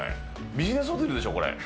ビジネスホテルでしょ、これ。